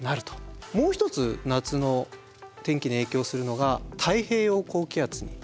もう一つ夏の天気に影響するのが太平洋高気圧になります。